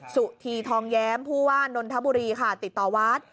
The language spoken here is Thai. สุธีทองแย้มผู้ว่านนทบุรีค่ะติดต่อวัด